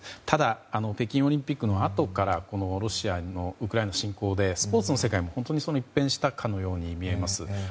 ただ北京オリンピックのあとからロシアのウクライナ侵攻でスポーツの世界も本当に一変したかのように見えます。